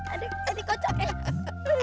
aduh dikocok ya